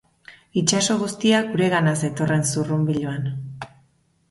Itsaso guztia guregana zetorren zurrunbiloan.